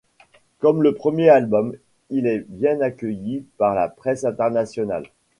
Comme pour leur premier album, il est bien accueilli par la presse internationale.